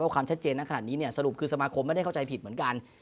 ความชัดเจนนั้นขนาดนี้เนี่ยสรุปคือสมาคมไม่ได้เข้าใจผิดเหมือนกัน